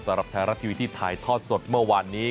สำหรับไทยรัฐทีวีที่ถ่ายทอดสดเมื่อวานนี้